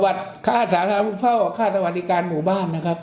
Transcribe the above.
สวัสดิการค่าสวัสดิการผู้เฝ้าค่าสวัสดิการหมู่บ้านนะครับ